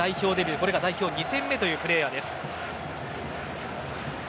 これが代表２戦目というプレーヤーです。